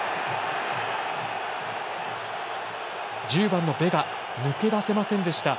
１０番のベガ抜け出せませんでした。